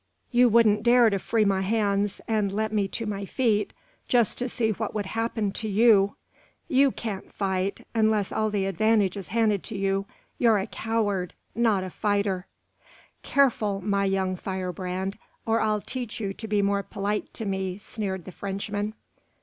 You wouldn't dare to free my hands and let me to my feet, just to see what would happen to you! You can't fight unless all the advantage is handed to you. You're a coward not a fighter!" "Careful, my young firebrand, or I'll teach you to be more polite to me," sneered the Frenchman.